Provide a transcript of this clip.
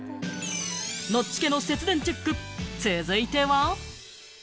ノッチ家の節電チェック、続いては。